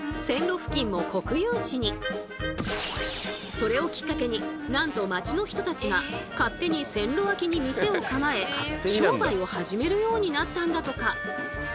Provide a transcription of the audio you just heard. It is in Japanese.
それをきっかけになんと町の人たちが勝手に線路脇に店を構え商売を始めるようになったんだとか。